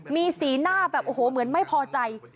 มีสีหน้าแบบโอ้โหเหมือนไม่พอใจ